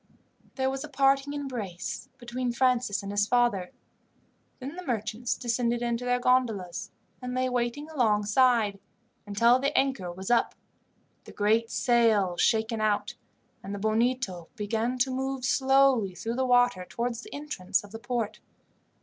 There was a parting embrace between Francis and his father. Then the merchants descended into their gondolas, and lay waiting alongside until the anchor was up, the great sails shaken out, and the Bonito began to move slowly through the water towards the entrance of the port.